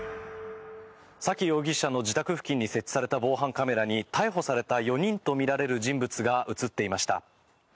沙喜容疑者の自宅付近に設置された防犯カメラに逮捕された４人とみられる人物が映っていました。